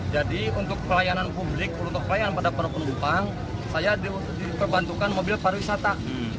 jadi untuk pelayanan publik untuk pelayanan pada penumpang saya diperbantukan mobil pariwisata